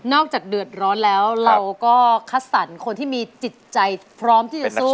จากเดือดร้อนแล้วเราก็คัดสรรคนที่มีจิตใจพร้อมที่จะสู้